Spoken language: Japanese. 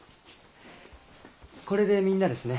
これでみんなですね。